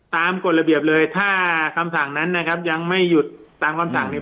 กฎระเบียบเลยถ้าคำสั่งนั้นนะครับยังไม่หยุดตามคำสั่งเนี่ย